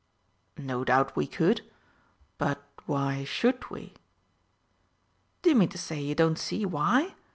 "No doubt we could. But why should we?" "Do you mean to say you don't see why?